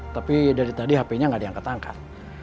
tapi dari tadi hp nya nggak diangkat angkat